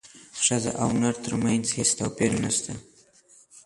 ښځې او نر ترمنځ هیڅ توپیر نشته